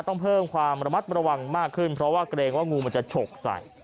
ต้องเพิ่มความระมัดระวังมากขึ้นเพราะว่าเกรงว่างูมันจะฉกใส่